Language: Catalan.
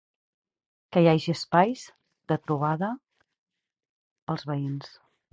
Que hi hagi espais de trobada pels veïns.